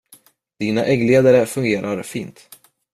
Dina äggledare funkar fint.